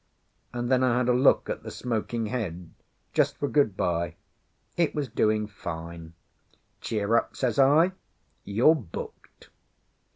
And then I had a look at the smoking head, just for good bye. It was doing fine. "Cheer up," says I. "You're booked."